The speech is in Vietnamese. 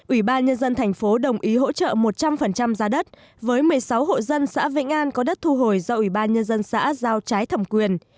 ủy ban nhân dân thành phố đồng ý hỗ trợ một trăm linh giá đất với một mươi sáu hộ dân xã vĩnh an có đất thu hồi do ủy ban nhân dân xã giao trái thẩm quyền